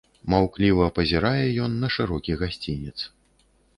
Маўкліва пазірае ён на шырокі гасцінец.